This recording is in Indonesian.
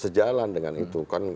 sejalan dengan itu